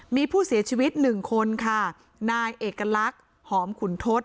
มีผู้เสียชีวิตหนึ่งคนค่ะนายเอกลักษณ์หอมขุนทศ